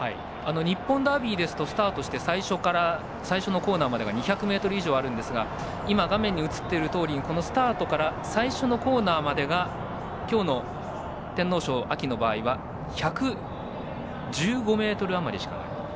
日本ダービーですとスタートして最初のコーナーまでが２００ｍ以上あるんですが画面に映っているとおりスタートから最初のコーナーまでが今日の天皇賞の場合は１１５ｍあまりしかない。